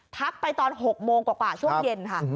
ไปตอน๖โมงกว่าช่วงเย็นค่ะ